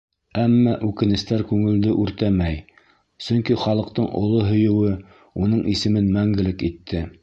Әммә үкенестәр күңелде үртәмәй, сөнки халыҡтың оло һөйөүе уның исемен мәңгелек итте.